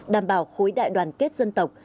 đảm bảo khối đại đoàn kết dân tộc